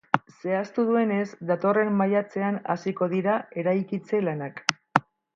Zehaztu duenez, datorren maiatzean hasiko dira eraikitze lanak.